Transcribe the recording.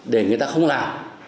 để người ta không làm